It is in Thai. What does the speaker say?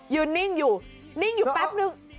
นิ่งอยู่นิ่งอยู่แป๊บนึง